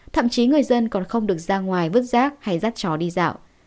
thậm chí người dân còn không được ra ngoài vứt rác hay rắt chó đi dạo